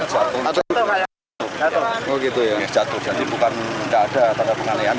jadi bukan tidak ada tanda pengalian